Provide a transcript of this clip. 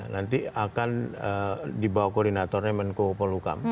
nanti akan dibawa koordinatornya menko polhukam